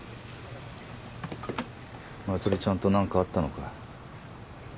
茉莉ちゃんと何かあったのか？